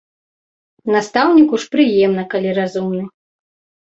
Настаўніку ж прыемна, калі разумны.